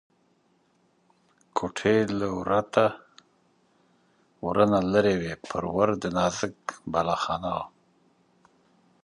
کوټې له ورته لرې وې، پر ور د نازک بالاخانه وه.